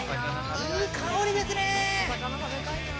いい香りですね！